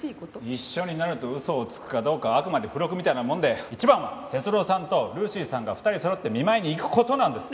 一緒になるとウソをつくかどうかはあくまで付録みたいなもので一番は哲郎さんとルーシーさんが２人そろって見舞いに行く事なんです。